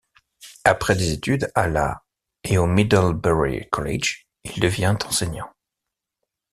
Après des études à la et au Middlebury College, il devient enseignant.